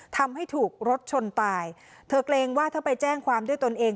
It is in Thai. ทำให้ถูกรถชนตายเธอเกรงว่าถ้าไปแจ้งความด้วยตนเอง